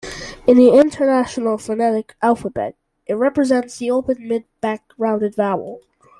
In the International Phonetic Alphabet, it represents the open-mid back rounded vowel.